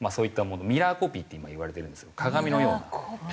ミラーコピーっていわれてるんですけど鏡のような。